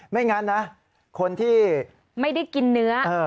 ไม่งั้นนะคนที่ไม่ได้กินเนื้อ